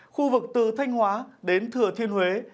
khu vực từ thanh hóa đến thừa thiên huế